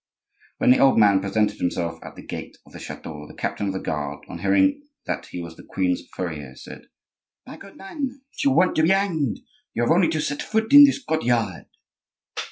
When the old man presented himself at the gate of the chateau, the captain of the guard, on hearing that he was the queens' furrier, said:— "My good man, if you want to be hanged you have only to set foot in this courtyard."